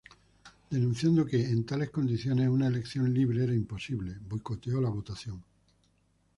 Denunciando que, en tales condiciones, una elección libre era imposible, boicoteó la votación.